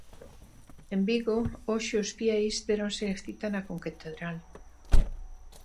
En Vigo hoxe os fieis déronse cita na concatedral.